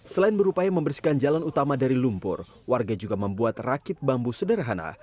selain berupaya membersihkan jalan utama dari lumpur warga juga membuat rakit bambu sederhana